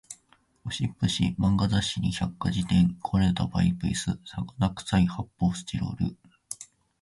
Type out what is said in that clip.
ゴシップ誌、漫画雑誌に百科事典、壊れたパイプ椅子、魚臭い発砲スチロール